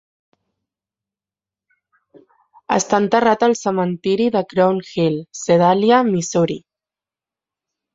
Està enterrat al cementiri de Crown Hill, Sedalia, Missouri.